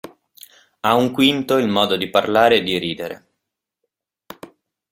A un quinto il modo di parlare e di ridere.